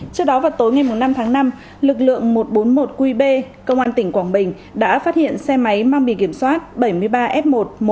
trước đó vào tối ngày năm tháng năm lực lượng một trăm bốn mươi một qb công an tỉnh quảng bình đã phát hiện xe máy mang bị kiểm soát bảy mươi ba f một một mươi ba nghìn tám trăm sáu mươi tám